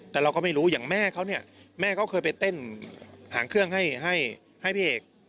แต่เราก็ไม่รู้อย่างแม่เขาเนี่ยแม่เขาเคยไปเต้นหางเครื่องให้พี่เอก